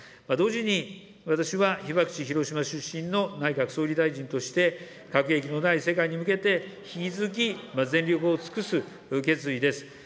同時に、私は被爆地広島出身の内閣総理大臣として、核兵器のない世界に向けて引き続き、全力を尽くす決意です。